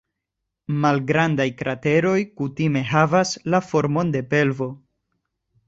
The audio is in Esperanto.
Malgrandaj krateroj kutime havas la formon de pelvo.